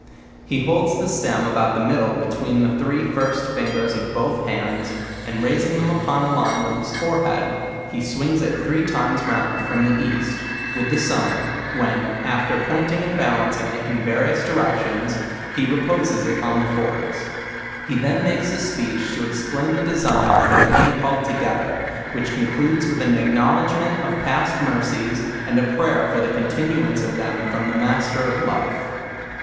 He holds the stem about the middle be tween the three first fingers of both hands, and raising them upon a line with his forehead, he swings it three times round from the east, with the sun, when, after pointing and balan cing it in various directions, he reposes it on the forks; he then makes a speech to explain the design of their being call ed together, which concludes with an acknowledgment of past mercies, and a prayer for the continuance of them from the Master of Life.